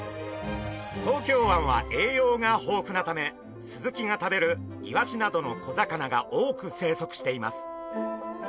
東京湾は栄養が豊富なためスズキが食べるイワシなどの小魚が多く生息しています。